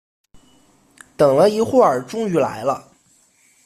等了一会儿终于来了